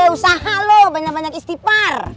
usaha loh banyak banyak istipar